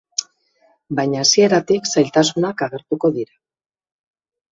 Baina hasieratik zailtasunak agertuko dira...